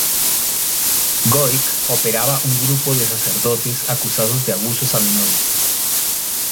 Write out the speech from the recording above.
Goic operaba un grupo de sacerdotes acusados de abusos a menores.